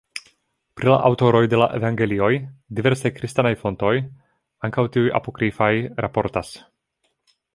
Pri la aŭtoroj de la evangelioj diversaj kristanaj fontoj, ankaŭ tiuj apokrifaj raportas.